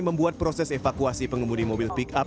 membuat proses evakuasi pengemudi mobil pick up